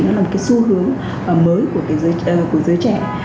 nó là một xu hướng mới của giới trẻ